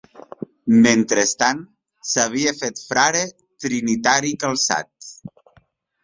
Mentrestant, s'havia fet frare trinitari calçat.